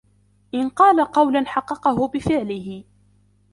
إنْ قَالَ قَوْلًا حَقَّقَهُ بِفِعْلِهِ